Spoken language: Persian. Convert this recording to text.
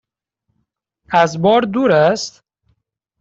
از بار دور است؟